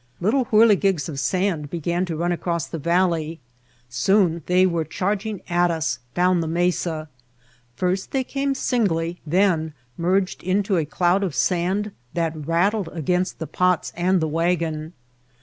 Little whirligigs of sand began to run across the valley. Soon they were charging at us down the mesa. First they came singly, then merged into a cloud of sand that rattled against the pots and the wagon.